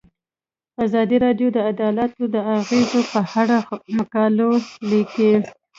ازادي راډیو د عدالت د اغیزو په اړه مقالو لیکلي.